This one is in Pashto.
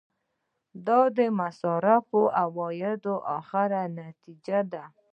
دا د مصارفو او عوایدو اخري نتیجه ده.